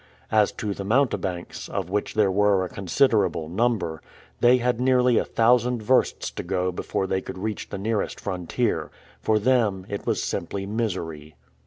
As to the mountebanks, of which there were a considerable number, they had nearly a thousand versts to go before they could reach the nearest frontier. For them it was simply misery.